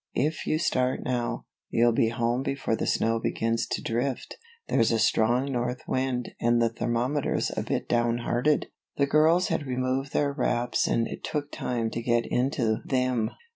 If you start now, you'll be home before the snow begins to drift there's a strong north wind and the thermometer's a bit down hearted." The girls had removed their wraps and it took time to get into them.